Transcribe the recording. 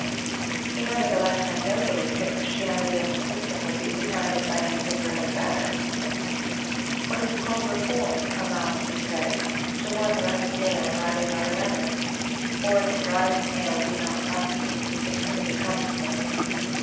He neverthe less had no belief that Christianity as a system would be supplanted by anything really better. What is called ^^ Re form " amounts, he said, to one rusty nail driving out another. Or if the driving nail be not rusty, it soon becomes so.